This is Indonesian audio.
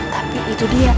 tapi itu dia